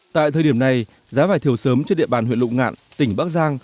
tại thời điểm này giá vải thiêu sớm trên địa bàn huyện lục ngạn tỉnh bắc giang